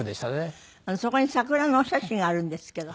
そこに桜のお写真があるんですけど。